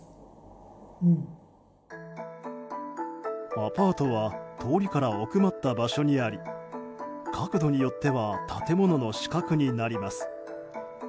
アパートは通りから奥まった場所にあり角度によっては建物の死角になります。